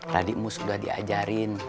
tadi mu sudah diajarin